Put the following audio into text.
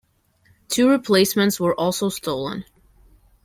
Two replacements were also stolen.